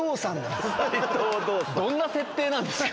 どんな設定なんですか？